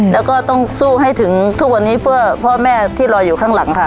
แล้วก็ต้องสู้ให้ถึงทุกวันนี้เพื่อพ่อแม่ที่รออยู่ข้างหลังค่ะ